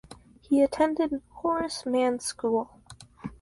He attended Horace Mann School.